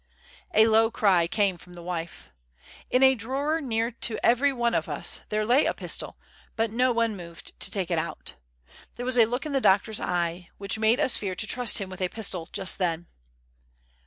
A low cry came from the wife. In a drawer near to every one of us there lay a pistol, but no one moved to take it out. There was a look in the doctor's eye which made us fear to trust him with a pistol just then.